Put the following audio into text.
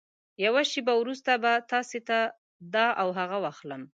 يوه شېبه وروسته به تاسې ته دا او هغه واخلم.